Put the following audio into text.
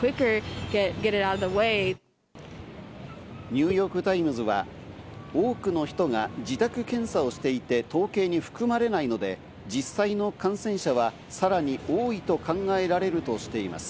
ニューヨーク・タイムズは多くの人が自宅検査をしていて統計に含まれないので、実際の感染者はさらに多いと考えられるとしています。